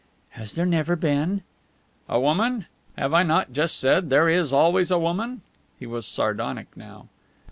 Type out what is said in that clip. "Has there never been " "A woman? Have I not just said there is always a woman?" He was sardonic now.